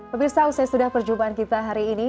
pemirsa usai sudah perjumpaan kita hari ini